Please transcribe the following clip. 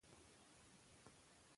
بې مانا کیلمې جمله نه جوړوي.